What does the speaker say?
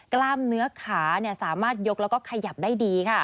กล้ามเนื้อขาสามารถยกแล้วก็ขยับได้ดีค่ะ